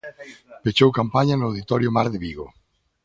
Pechou campaña no Auditorio Mar de Vigo.